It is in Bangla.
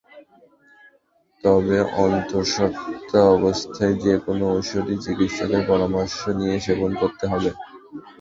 তবে অন্তঃস্বত্ত্বা অবস্থায় যেকোনো ওষুধই চিকিৎসকের পরামর্শ নিয়ে সেবন করতে হবে।